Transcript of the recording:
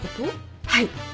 はい。